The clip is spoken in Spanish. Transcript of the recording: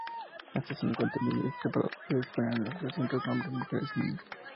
Hasta cincuenta individuos separados se disponían en los recintos: hombres, mujeres y niños.